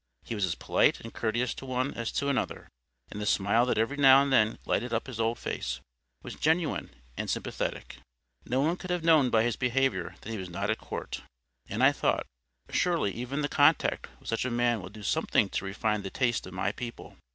He was as polite and courteous to one as to another, and the smile that every now and then lighted up his old face, was genuine and sympathetic. No one could have known by his behaviour that he was not at court. And I thought—Surely even the contact with such a man will do something to refine the taste of my people.